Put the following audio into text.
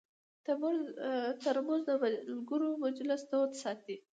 ترموز د ملګرو مجلس تود ساتي.